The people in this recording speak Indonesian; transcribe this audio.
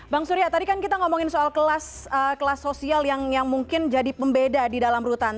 bang surya tadi kan kita ngomongin soal kelas sosial yang mungkin jadi pembeda di dalam rutan